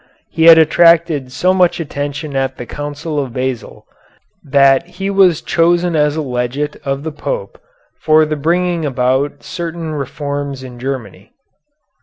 He had attracted so much attention at the Council of Basel that he was chosen as a legate of the Pope for the bringing about certain reforms in Germany.